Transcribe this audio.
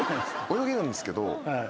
泳げるんですけど。